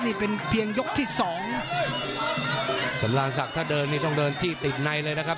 นี่เป็นเพียงยกที่สองสำราญศักดิ์ถ้าเดินนี่ต้องเดินที่ติดในเลยนะครับ